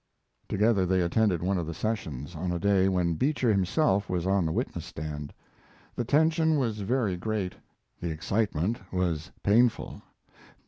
Together they attended one of the sessions, on a day when Beecher himself was on the witness stand. The tension was very great; the excitement was painful.